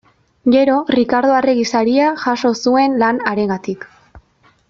Gero Rikardo Arregi Saria jaso zuen lan harengatik.